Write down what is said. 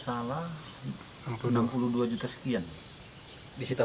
sekian disita penyidik itu iya itu yang disitu penyidik itu iya itu yang disitu penyidik itu iya itu